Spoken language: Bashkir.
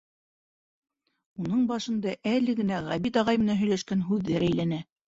Уның башында әле генә Ғәбит ағай менән һөйләшкән һүҙҙәр әйләнә.